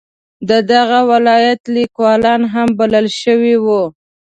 د دغه ولایت لیکوالان هم بلل شوي وو.